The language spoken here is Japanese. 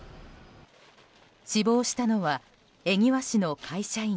死亡したのは恵庭市の会社員。